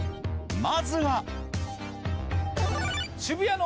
まずは。